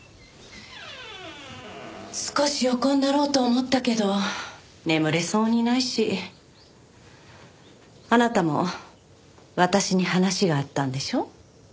少し横になろうと思ったけど眠れそうにないしあなたも私に話があったんでしょ？